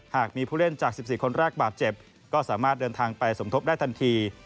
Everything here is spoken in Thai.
หากมีผู้เล่นจาก๑๔คนแรกบาดเจ็บก็สามารถเดินทางไปสมทบได้ทันที